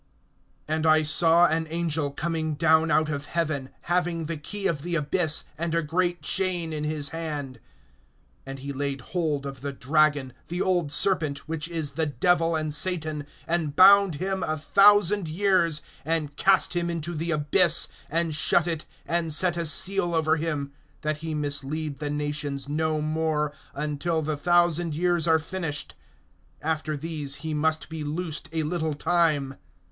AND I saw an angel coming down out of heaven, having the key of the abyss, and a great chain in his hand. (2)And he laid hold of the dragon, the old serpent, which is the Devil and Satan, and bound him a thousand years, (3)and cast him into the abyss, and shut it, and set a seal over him, that he mislead the nations no more, until the thousand years are finished; after these he must be loosed a little time.